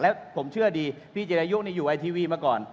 และผมเชื่อดีพี่จีตครัยุทย์อยู่ไอทีวีมาก่อน